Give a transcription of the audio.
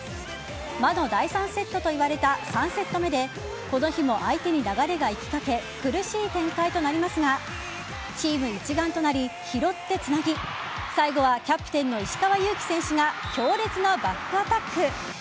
魔の第３セットといわれた３セット目でこの日も相手に流れがいきかけ苦しい展開となりますがチーム一丸となり、拾ってつなぎ最後はキャプテンの石川祐希選手が強烈なバックアタック。